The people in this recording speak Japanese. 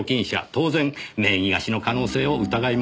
当然名義貸しの可能性を疑いました。